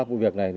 trong vụ việc này